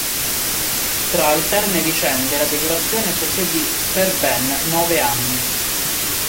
Tra alterne vicende la decorazione proseguì per ben nove anni.